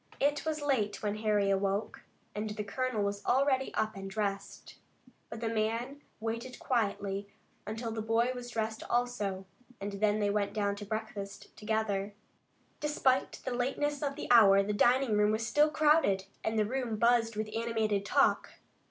It was late when Harry awoke, and the colonel was already up and dressed. But the man waited quietly until the boy was dressed also, and they went down to breakfast together. Despite the lateness of the hour the dining room was still crowded, and the room buzzed with animated talk.